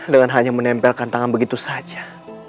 dengan hanya menempelkan tangan begitu saja